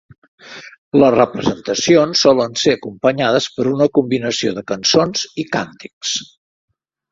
Les representacions solen ser acompanyades per una combinació de cançons i càntics.